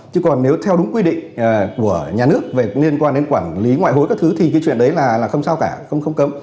chứ còn nếu theo đúng quy định của nhà nước về liên quan đến quản lý ngoại hối các thứ thì cái chuyện đấy là không sao cả không cấm